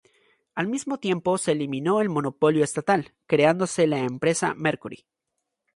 Al mismo tiempo, se eliminó el monopolio estatal, creándose la empresa Mercury.